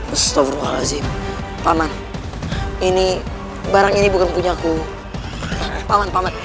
ustadz azim paman ini barang ini bukan punya aku paman paman